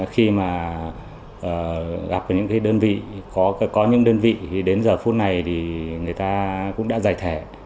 khi mà gặp những đơn vị có những đơn vị thì đến giờ phút này thì người ta cũng đã giải thẻ